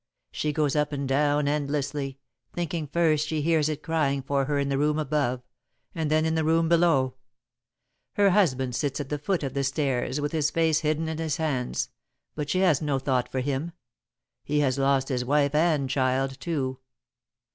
She goes up and down endlessly, thinking first she hears it crying for her in the room above, and then in the room below. Her husband sits at the foot of the stairs with his face hidden in his hands, but she has no thought for him. He has lost wife and child too."